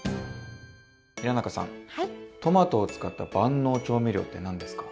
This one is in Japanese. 平仲さんトマトを使った万能調味料って何ですか？